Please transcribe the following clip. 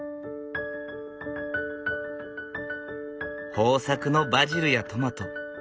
豊作のバジルやトマト。